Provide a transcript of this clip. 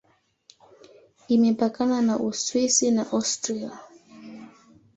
Imepakana na Uswisi na Austria.